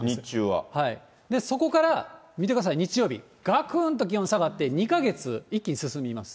そこから見てください、日曜日、がくんと気温下がって、２か月一気に進みます。